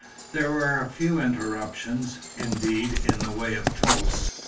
There were a few interruptions, indeed, in the way of toasts.